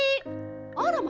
あらま！